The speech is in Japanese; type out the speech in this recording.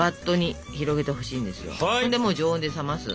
でもう常温で冷ます。